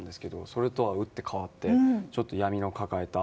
それとは打って変わってちょっと闇を抱えた。